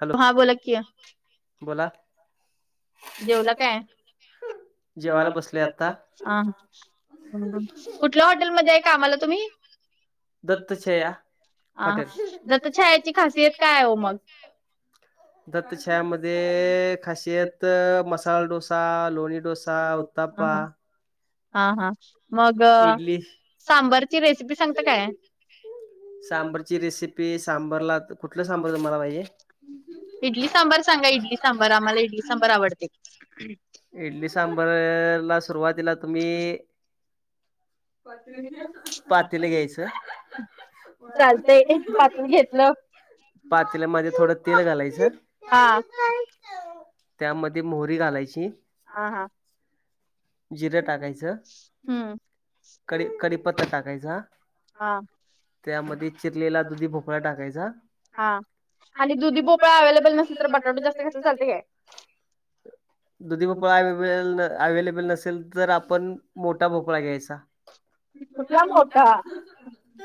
Hello हा बोला की बोला जेवला काय? जेवायला बसलोय आता कुठल्या हॉटेलमध्ये आहे कामाला तुम्ही? दत्त दत्तछया छाया. हा आ हॉटेल दत्त छायाची खासियत काय हाय ओ मग? दत्त छायामध्ये खासियत त मसाला डोसा लोणी डोसा उत्ताप्पा हा हा मग इडली सांबरची रेसिपी सांगता काय? सांबरची रेसिपी सांबरला कुठलं सांबर तुम्हाला पाहिजे? इडली सांबार सांगा इडली सांबार आम्हाला इडली सांबार आवडते इडली सांबर ला सुरुवातीला तुम्ही पातेलं घ्यायचं पातेल चालतंय पातून घेतलं पातेल्या मध्ये थोडं तेल घालायचं हा हा त्यामध्ये मोहरी घालायची हा हा जिरं टाकायचं हम्म कढी, कढीपत्ता टाकायचा. हा. त्यामध्ये चिरलेला दुधी भोपळा टाकायचा. हा आणि दुधी भोपळा अव्हेलेबल नसेल तर, बटाटा जास्त घातलं चालते काय? दुधी भोपळा यई वेल अवेलेबल नसेल- तर आपण मोठा भोपळा घ्यायचा. केवढा मोठा? द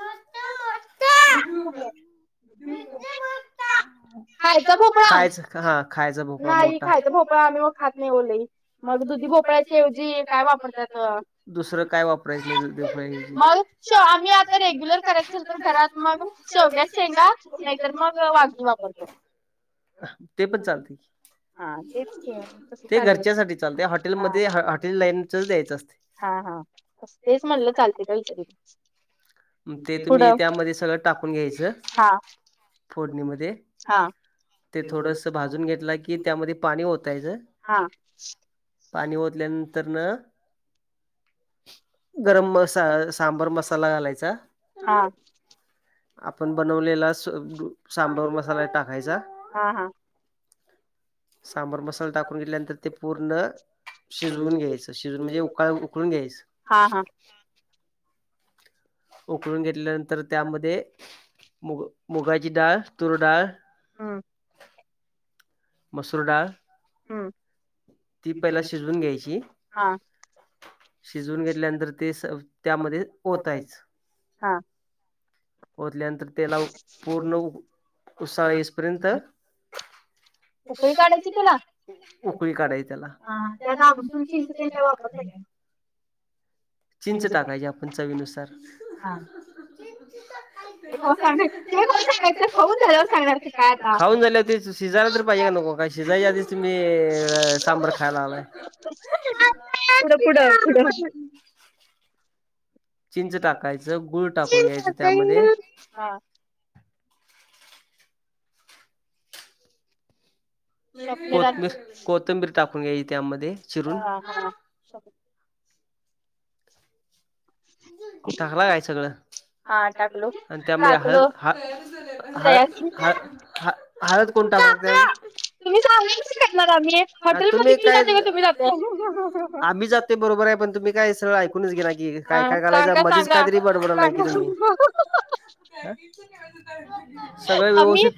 खायचा भोपळा? खायचा हा. खायच भोप - नाही खायचा भोपळा आम्ही ओ खात नाही लई. मग दुधी भोपळ्याच्या ऐव- -जी काय वापरत्यात? दुसरं काय वापरायचं नाही दुधी भोपळ्याऐवजी. मग माई [unintelligible] आम्ही आता रेग्युलर- करायच तर घरात मग, शेवग्याच्या शेंगा नाहीतर मग [unintelligible] वापरतो. ते पण चालते. हा. तेच कि. कस चालू ए? हा. ते लाईनच द्यायचं असतए. हा हा. तेच म्हटलं चालते का विचारू. ते तुम्ही त्यामध्ये सगळं टाकून घ्यायचं. हा फोडणीमध्ये, हा हां. ते थोडस भाजून घेतल की त्यामध्ये पाणी हा ओतायच- पाणी ओतल्यानंतर ना? गरम- मसा सांबर मसाला घालायचा. हा. आपण बनवलेला स उ सांबार मसाला टाकायचा. हा हा सांबार मसाला टाकून घेतल्यावर ते पूर्ण- शिजवून घ्यायच. शिजवून म्हणजे उकळ उकळून घ्यायचं. हा हा उकळून घेतल्यानंतर, त्यामध्ये मुग मुगाची डाळ, तूरडाळ- हा. मसूर डाळ हम्म. ती पहिला शिजवून घ्यायची- हा शिजवून घेतल्यानंतर ते स त्यामध्ये ओतायच. हा. ओतल्यानंतर त्याला पूर्ण उसाळ येईसपर्यंत - उकळी काढायची त्याला? उकळी काढायची. [unintelligible] चिंच टाकायची आपण चवीनुसार. हा ते कवा सांगायचं ते कवा सांगायचं खाऊन झाल्यावर सांगणार का की काय आता. खाऊन झाल्यावरतीच - शिजायला तर पाहिेजे का नको? काय शिजायच्या आधीच तुम्ही सांबार खायला लागलाय. पुढ पुुढ. पुढ चिंच टाकायचं. गुळ टाकून घ्यायचं त्यामध्ये- हा स्वप्नील आणि कोथंबीर, कोथंबीर टाकून घ्यायची त्यामध्ये चिरून. हा हा हो टाकला काय सगळं? हां. टाकलं. आणि त्यामधे हळद टाकलो ह ह तयार ह ह- हळद कोण [unintelligible] तुम्ही सांगा कशी टाकणार आम्ही? हॉटेल मध्ये तुम्ही ति काय जाते का तुम्ही जाता? ते बरोबर आहे. पण तुम्ही काय, सगळं ऐकूनच घेईना की? हा काय काय घालायच- सांगा उगीच सांगा काहीतरी बडबडायलाय की तुम्ही. सांगा सगळ आम्ही व्यवस्थित-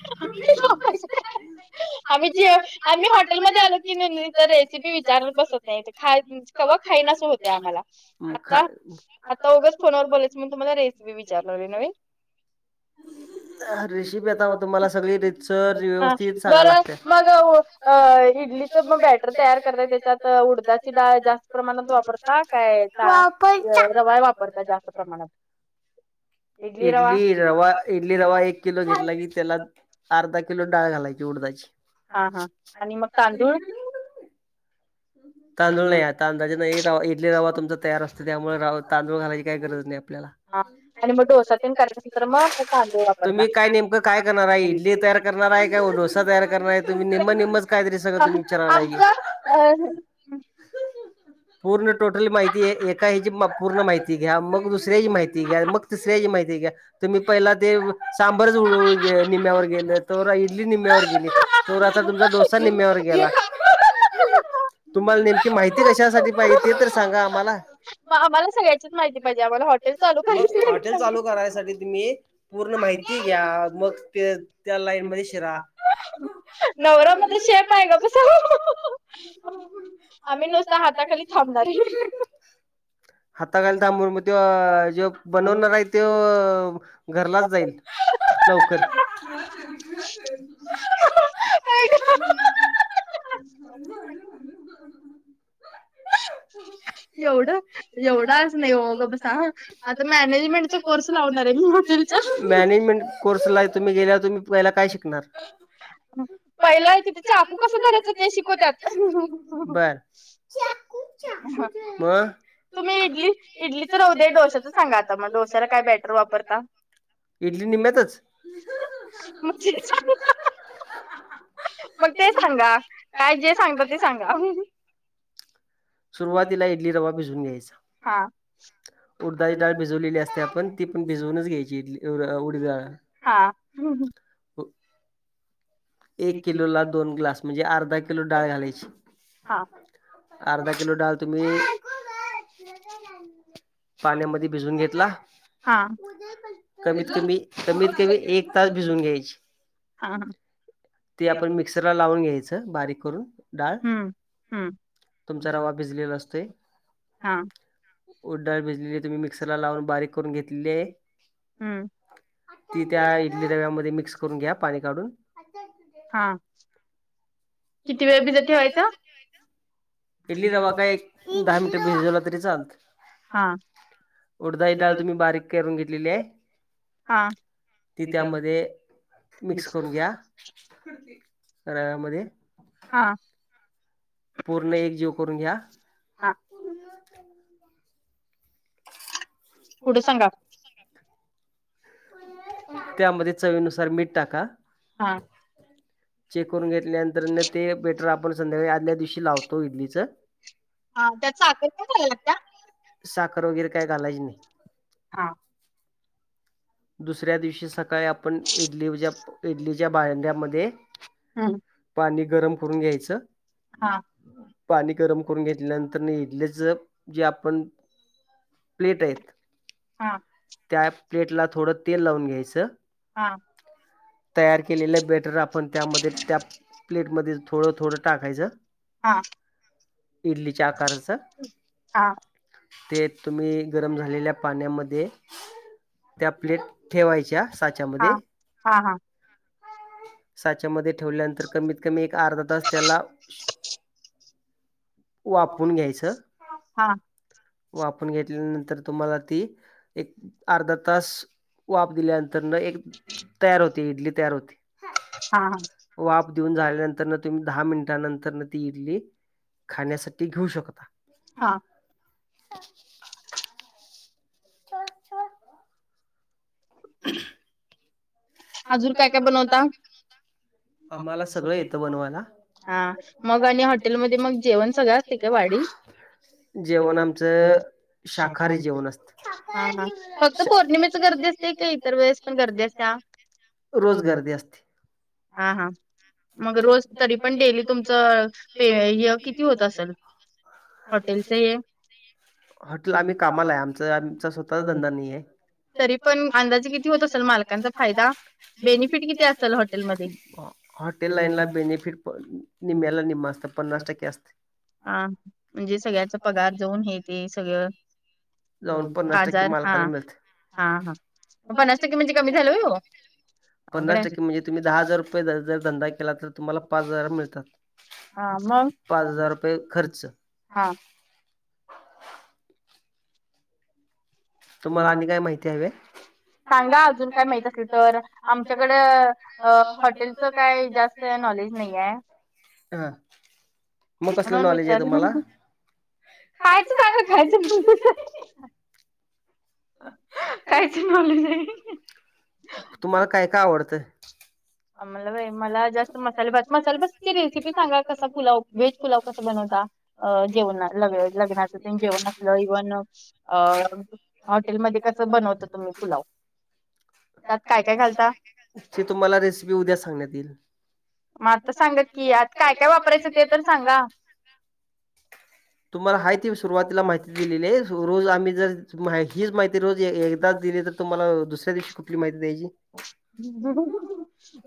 आम्ही जे. आम्ही हॉटेलमध्ये आलो की नाही तर रेसिपी विचारत बसू काय? ते खाय- कवा खाईन आस होतय आम्हाला. खा आत्ता - ता उगाच फोनवर बोलायच म तुम्हाला रेसिपी विचार ला नवीन. ह. रेसिपी आता तुम्हाला सगळी रितसर व्यवस्थित सांगायला बर लागते. मग- आ. इडलीचं मग बॅटर तयार करताय त्याच्यात उडदाची डाळ जास्त प्रमाणात वापरता काय? ता? तांदूळ रवा वापर- ता जास्त प्रमाणात इडली रवा रवा इडली रवा एक किलो घेतला की त्याला अर्धा किलो डाळ घालायची उडदाची हा हा आणि मग तांदूळ तांदूळ नाही आत. तांदळाचा रवा इडले रवा तुमचा तयार असत त्यामुळे राव तांदूळ घायची काही गरज नाही आपल्याला हा आणि मग डोसातेन करासाठी तर मग तांदूळ तुम्ही काय वापरता. नेमकं काय करणार आहे इडली तयार करणार आहे का डोसा तयार करणार तुम्ही निम्मा नीमच काय तरी सगळ तुम्ही अ. विचारालाय. पूर्ण टोट माहिती आहे एका ह्याची पूर्ण माहिती घ्या मग दुसऱ्याची माहिती घ्या मग तिसऱ्याची माहिती घ्या. तुम्ही पहिला ते सांबरच निम्यावर गेलं. तर इडली निम्म्यावर गेली त आता तुमचा डोसा निम्यावर गेला. [unintelligible] तुम्हाला नेमकी माहिती कशासाठी पाहिजे ते तर सांगा आम्हाला मग आम्हाला सगळ्याचीच माहिती पाहिजे आम्हाला हॉटेल चालू करायचय. मग हॉटेल चालू करायसाठी तुम्ही पूर्ण माहिती घ्या मग ते त्या लाईन ह. मध्ये शिरा नवरा माझा शेफ आहे गप बसा. आम्ही नुसता हाताखाली थांबणार आहे. हाता घायला थांबून मग त्यो जे बनवणार आहे त्यो हो. आई ग. हो. [unintelligible] एवढं एवढं आस नाही हो गंप बसा आता मॅनेजमेंटचा कोर्स लावणार आहे मी हॉटेल. मॅनेजमेंट कोर्स ला तुम्ही गेल्या तुम्ही पयला काय शिकणार. पहिला क त्या चाकू कसा धरयचा ते शिकवतत. बर [unintelligible] तुम्ही इडली इडलीचं राहूद्या डोश्याचं सांगा आता मग डोश्याला काय बेटर वापरता. इडली निम्यातच [unintelligible] मग ते सांगा काय जे सांगत ते सांगा. सुरुवातीला इडली रवा भिजून घ्यायचा हा उडदाची डाळ भिजवलेली असते आपण ती पण भिजवूनच घ्यायची इ उड उडीत डाळ हा ह् ह. एक किलो ला दोन ग्लास म्हणजे अर्धा किलो डाळ घालायची. हा अर्धा किलो डाळं तुम्ही पाण्यामध्ये भिजून घेतला. हा हा कमीत कमी कमीत कमी एक तास भिजून घ्यायची. हा हा. ते आपण मिक्सरला लावून घ्यायचं बारीक करून डाळ हम्म हम्म तुमचा रवा भिजलेला असते. हा उड्डाळ भिजली तुम्ही मिक्सर ला लावून बारीक करून घेतली आहे. हम्म ती त्या इडली रव्यामध्ये मिक्स करून घ्या पाणी काढून हा. किती वेळ भिजत ठेवायचं. पेली रवा काय एक दहा मिनट भिजवला तरी चालत. हा उडा ह डाळ तुम्ही बारीक करून घेतलेली आहे. हा ती त्यामध्ये मिक्स करून घ्या. रव्यामध्ये. हा. पूर्ण एक जीव करून घ्या. हा. पुढ सांगा त्यामध्ये चवीनुसार मीठ. टाका. हा. चेक करून घेतल्यानंतर ते बेटर आपण संध्याकाळी आदल्या दिवशी लावतो इडलीचं. हा त्यात साखर पण घालाय लागत्या. साखर वगैरे काय घालायची नाही. हा. दुसऱ्या दिवशी सकाळी आपण इडलीवजा, इडलीच्या भांड्यामध्ये हम्म. पाणी गरम करून घ्यायचं. हां. पाणी गरम करून घेतल्यानंतर न इडलीच, जे आपण प्लेट आहेत, हा त्या प्लेटला थोडं तेल लावून घ्यायचं. हा. तयार केलेलं बेटर आपण त्यामध्ये त्या प्लेट मध्येच थोडं थोडं टाकायचं. हा हा इडलीच्या आकाराच. हा ते तुम्ही गरम झालेल्या पाण्यामध्ये त्या प्लेट, ठेवायच्या हा साच्यामध्ये. हा साच्यामध्ये ठेवल्यानंतर कमीत कमी एक अर्धा तास त्याला [inaudible] वापून घ्यायच. हा हा वापून घेतल्यानंतर तुम्हाला ती, एक अर्धा तास. वाफ दिल्यानंतर न एक, तयार होती इडली तयार होती. हा. वाफ देऊन झाल्यानंतर तुम्ही दहा मिनिटानंतर ती इडली खाण्यासाठी घेऊ शकता. हा. [unintelligible] [unintelligible] अजून काय काय बनवता काय काय बनवता. आम्हाला सगळं येत बनवायला, हा मग कणी आणि हॉटेल मध्ये हॉटेलमध्ये मग जेवणं जेवण सगळ सगळं असते काय वाडी असतय [unintelligible] जेवण आमचं, शाकाहारी जेवण असतय, हा शाकाहारी हा जेवण फक्त पौर्णिमेच गर्दी असत्या का इतर वेळेस पण गर्दी असतया. रोज गर्दी असती. हा हा. मग रोज तरी पण डेली तुमचं, हे हॉटेलच [unintelligible] हे [unintelligible] हॉटेल आम्ही कामाला आहे आमच आमच स्वतःचा धंदा नाही आहे. तरी पण अंदाजे किती होत असेल मालकांचा फायदा. बेनिफिट किती असतय हॉटेल लाईनला, हॉटेल लाईन ला बेनिफिट पण निम्म्याला निम्मा असत पन्नास टक्के असतय. हा, म्हणजे सगळ्याच पगार जाऊन हे ते सगळं. जाऊन पन्नास टक्के बाजार हा, मालकाला मिळते. हा हा, पन्नास टक्के म्हणजे कमी झालं होय ओ. ऑर्डर पन्नास टक्के यायचे, म्हणजे तुम्ही दहा हजार रुपये जर धंदा केला तर तुम्हाला पाच हजार [unintelligible] मिळतात. हा मग, पाच हजार रुपये खर्च [unintelligible] हा. तुम्हाला आणि काय माहिती हावी हाय. सांगा अजून काय माहित असल तर आमच्याकड हॉटेलचं काय जास्त त नॉलेज नाही आहे. हा, म कसलं म्हणून नॉलेज आहे विचारलं. तुम्हाला? खायचं सांग खायचं. खायचं नॉलेज आहे. तुम्हाला काय काय आवडतं. मला मला जास्त मसाले मसाले बसची रेसिपी सांगा, कसा पुलाव व्हेज पुलाव कसा बनवता. अं जेवण ल लग्नाच ते जेवण असलं इव्हन अ हॉटेलमध्येध्ये कसं बनवत तुम्ही पुलाव त्यात काय काय घालता. ती तुम्हाला रेसिपी उद्या सांगण्यात येईल. मग आता सांगत की आता काय काय वापरायचं ते तर सांगा. तुम्हाला हय ती सुरुवातीला माहिती दिलेली आहे रोज आम्ही जर हीच माहिती रोज एकदाच दिली तर तुम्हाला दुसऱ्या दिवशी कुठली माहिती द्यायची.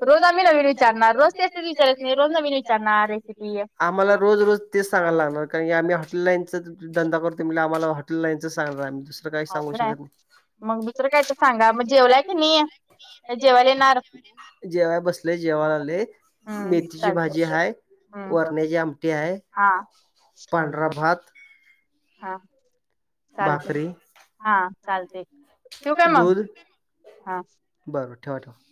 रोज आम्ही नवीन विचारणार रोज तेच तेच विचारायच नाही रोज नवीन विचारणार रेसिपी आम्हाला रोज रोज तेच सांगायला लागणार. कारण आम्ही हॉटेल लाईनचा धंदा करतो, आम्हाला हॉटेल लाईनच सांगणार, आम्ही दुसरं काही सांगू अवघड हाय. शकत नाही. मग तु दुसरं काय तर सांगा मग जेवलाय की नाही? म जेवायला जेवालेणार येणार जवा जेवय बसले जेवायला आले हम्म मेथीची चालतंय भाजी आहेाय. हम्म वरण्याची आमटी आहे हा पांढरा भात हा. चालते भाकरी हा चालते ठेवू काय मग हा. बरोबर ठेवा ठेवा.